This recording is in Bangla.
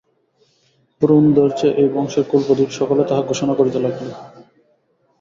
পুরন্দর যে এই বংশের কুলপ্রদীপ, সকলে তাহা ঘোষণা করিতে লাগিল।